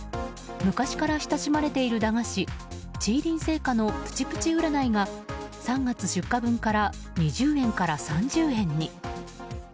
昔から親しまれている駄菓子チーリン製菓のプチプチうらないが３月出荷分から２０円から３０円に。